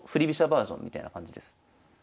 バージョンみたいな感じです。